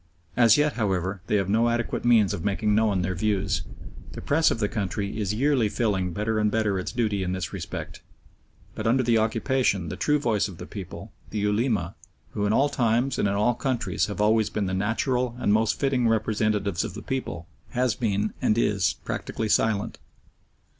As yet, however, they have no adequate means of making known their views. The Press of the country is yearly filling better and better its duty in this respect, but under the occupation the true voice of the people the Ulema, who in all times and in all countries have always been the natural and most fitting representatives of the people has been, and is, practically silent.